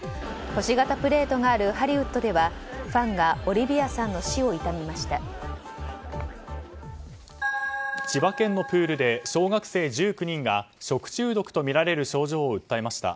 星型プレートがあるハリウッドではファンがオリビアさんの死を千葉県のプールで小学生１９人が食中毒とみられる症状を訴えました。